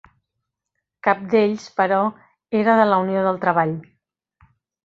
Cap d'ells, però, era de la Unió del Treball.